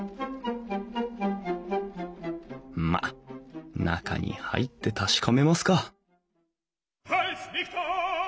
まっ中に入って確かめますか